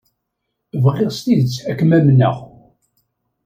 Bɣiɣ s tidet ad kem-amneɣ.